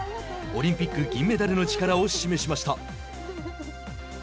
オリンピック銀メダルの力を示しました。